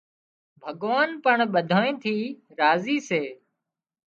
ڀڳوان پڻ ٻڌانئي ٿي راضي سي